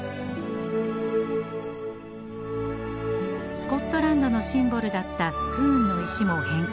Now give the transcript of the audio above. スコットランドのシンボルだったスクーンの石も返還され